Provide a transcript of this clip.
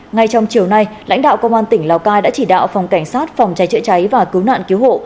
ngay trong chiều nay lãnh đạo công an tỉnh lào cai đã chỉ đạo phòng cảnh sát phòng cháy chữa cháy và cứu nạn cứu hộ